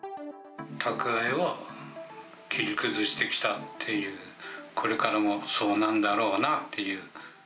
たくわえを切り崩してきたっていう、これからもそうなんだろうなっていう。